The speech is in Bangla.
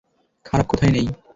খারাপ কোথায় নেই?